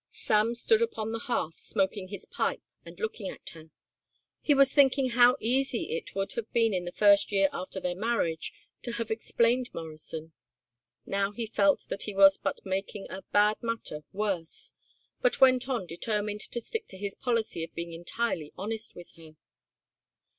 Sam stood upon the hearth smoking his pipe and looking at her. He was thinking how easy it would have been in the first year after their marriage to have explained Morrison. Now he felt that he was but making a bad matter worse, but went on determined to stick to his policy of being entirely honest with her.